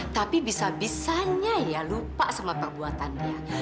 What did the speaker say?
tapi bisa bisanya ya lupa sama perbuatannya